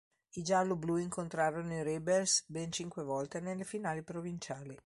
I gialloblu incontrarono i Rebels ben cinque volte nelle finali provinciali.